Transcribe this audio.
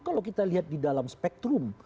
kalau kita lihat di dalam spektrum